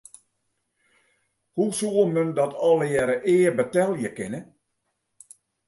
Hoe soe mem dat allegearre ea betelje kinne?